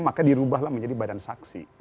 maka dirubahlah menjadi badan saksi